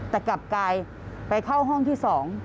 แต่กลับกลายไปเข้าห้องที่๒